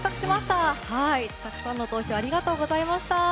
たくさんの投票ありがとうございました。